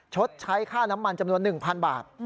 ชดใช้ค่าน้ำมันจำนวน๑๐๐บาท